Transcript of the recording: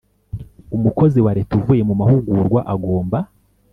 Umukozi wa leta uvuye mu mahugurwa agomba